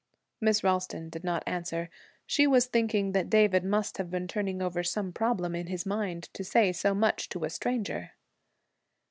Miss Ralston did not answer. She was thinking that David must have been turning over some problem in his mind, to say so much to a stranger.